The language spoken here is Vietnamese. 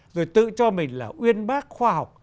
rồi tự cho mình là uyên bác khoa học